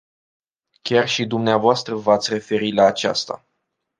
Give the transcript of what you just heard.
Chiar și dvs. v-ați referit la aceasta.